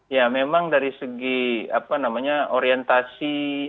ya memang dari segi orientasi